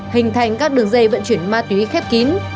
hình thành các đường dây vận chuyển ma túy khép kín